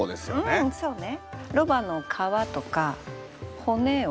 うんそうね。